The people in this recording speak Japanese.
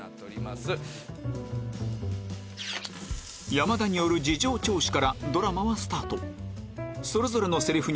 山田による事情聴取からドラマはスタート